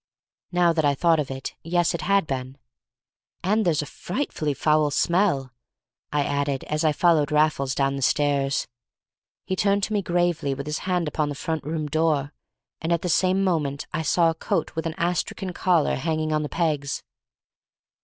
Now that I thought of it, yes, it had been. "And there's a frightfully foul smell," I added, as I followed Raffles down the stairs. He turned to me gravely with his hand upon the front room door, and at the same moment I saw a coat with an astrakhan collar hanging on the pegs.